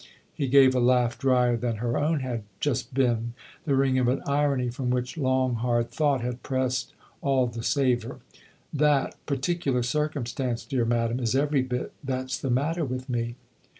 " He gave a laugh drier than her own had just been, the ring of an irony from which long, hard thought had pressed all the savour. "That ' particular circumstance,' dear madam, is every bit that's the matter with me